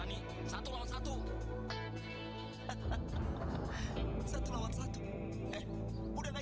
aduh cantiknya pantesan prayoga memilihnya